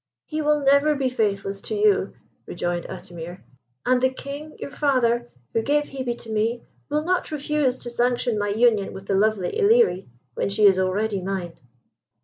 "He will never be faithless to you," rejoined Atimir. "And the King, your father, who gave Hebe to me, will not refuse to sanction my union with the lovely Ilerie, when she is already mine."